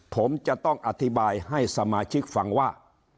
ผมจะต้องอธิบายให้สมาชิกฟังว่า